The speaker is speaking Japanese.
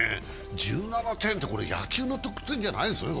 １７点って、これ、野球の得点じゃないですよね。